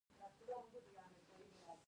خصوصي بانکونه څنګه فعالیت کوي؟